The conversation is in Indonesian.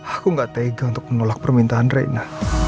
aku nggak tega untuk menolak permintaan rena